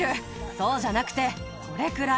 そうじゃなくてこれくらい。